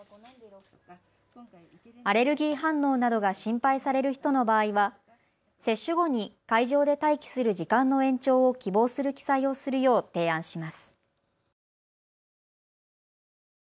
アレルギー反応などが心配される人の場合は接種後に会場で待機する時間の延長を希望する記載をするよう提案します。